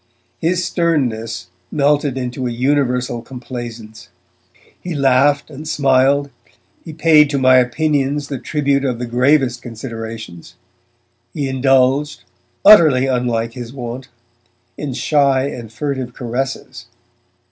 His sternness melted into a universal complaisance. He laughed and smiled, he paid to my opinions the tribute of the gravest considerations, he indulged utterly unlike his wont in shy and furtive caresses.